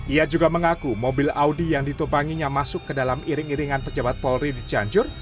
ia juga mengaku mobil audi yang ditumpanginya masuk ke dalam iring iringan pejabat polri di cianjur